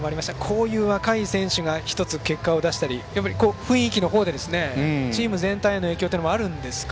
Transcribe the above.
こういう若い選手が１つ結果を出したりやっぱり雰囲気の方でチーム全体の影響もあるんですか。